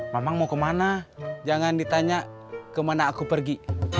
mama mau kemana jangan ditanya kemana aku pergi